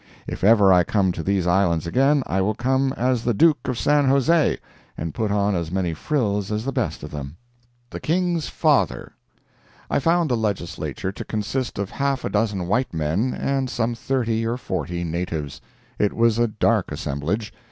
If ever I come to these islands again I will come as the Duke of San Jose, and put on as many frills as the best of them. THE KING'S FATHER I found the Legislature to consist of half a dozen white men and some thirty or forty natives. It was a dark assemblage.